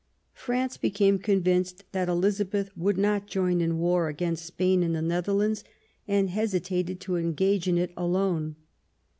France became con vinced that Elizabeth would not join in war against Spain in the Netherlands, and hesitated to engage in it alone.